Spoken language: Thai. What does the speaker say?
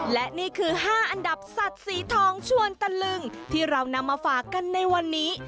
และนี่คือ๕อันดับสัตว์สีทองชวนตะลึงที่เรานำมาฝากกันในวันนี้